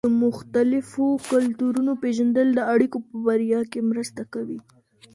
د مختلفو کلتورونو پېژندل د اړيکو په بریا کې مرسته کوي.